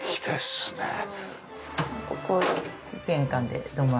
ここ玄関で土間。